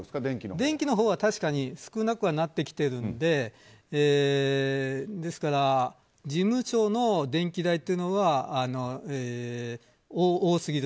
電気は確かに少なくなってきているのでですから事務所の電気代というのは多すぎる。